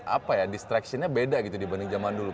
apa ya distractionnya beda gitu dibanding zaman dulu